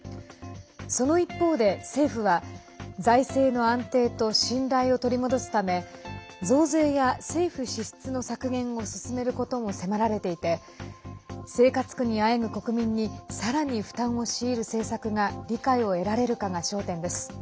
その一方で政府は財政の安定と信頼を取り戻すため増税や政府支出の削減を進めることも迫られていて生活苦にあえぐ国民にさらに負担を強いる政策が理解を得られるかが焦点です。